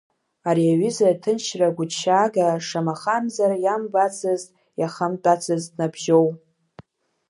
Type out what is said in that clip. Ари аҩыза аҭынчра гәыҭшьаага шамахамзар иамбацызт, иахамтәацызт Набжьоу!